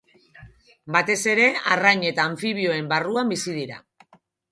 Batez ere arrain eta anfibioen barruan bizi dira.